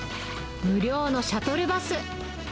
無料のシャトルバス。